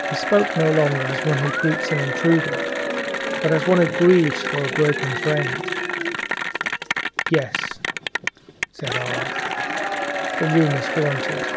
He spoke no longer as one who greets an intruder, but as one who condoles with a friend. "Yes," said I, "the room is haunted."